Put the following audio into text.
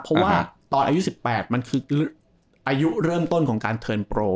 เพราะว่าตอนอายุ๑๘มันคืออายุเริ่มต้นของการเทิร์นโปร